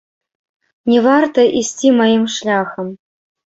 Не варта ісці маім шляхам.